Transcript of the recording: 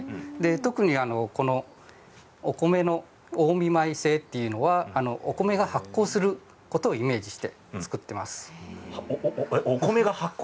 特に、お米の近江米製というのはお米が発酵することをイメージして作っています。